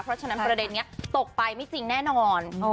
เพราะฉะนั้นประเด็นนี้ตกไปไม่จริงแน่นอน